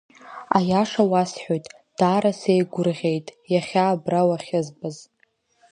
Аиаша уасҳәоит, даара сеигәырӷьеит, иахьа абра уахьызбаз.